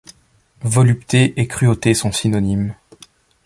Volupté et cruauté sont synonymes.